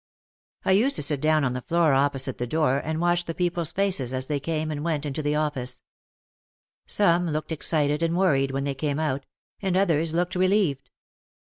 I used to sit down on the floor opposite the door and OUT OF THE SHADOW 61 watch the people's faces as they came and went into the office. Some looked excited and worried when they came out, and others looked relieved.